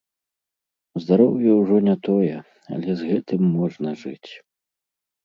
Здароўе ўжо не тое, але з гэтым можна жыць.